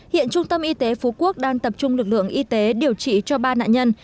hiện trung tâm y tế phú quốc đang tập trung lực lượng y tế điều trị cho ba nạn nhân